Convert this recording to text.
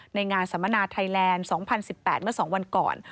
ในงานสัมมนาไทยแลนด์๒๐๑๘เมื่อ๒วันก่อน